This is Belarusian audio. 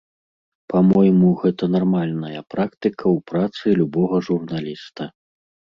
Па-мойму, гэта нармальная практыка ў працы любога журналіста.